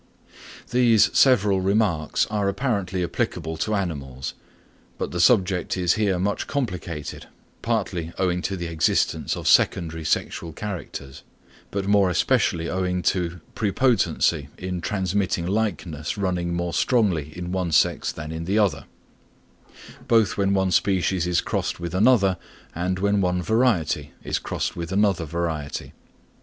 These several remarks are apparently applicable to animals; but the subject is here much complicated, partly owing to the existence of secondary sexual characters; but more especially owing to prepotency in transmitting likeness running more strongly in one sex than in the other, both when one species is crossed with another and when one variety is crossed with another variety.